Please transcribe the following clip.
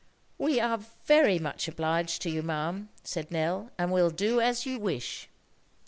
"We are very much obliged to you, ma'am," said Nell, "and will do as you wish."